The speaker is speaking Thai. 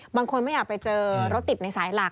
บางคนไม่อยากไปเจอรถติดในสายหลัก